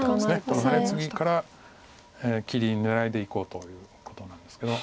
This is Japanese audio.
このハネツギから切り狙いでいこうということなんですけど。